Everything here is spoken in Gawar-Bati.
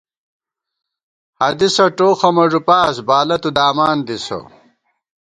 حدیثہ ٹوخہ مہ ݫُپاس بالہ تُو دامان دِسہ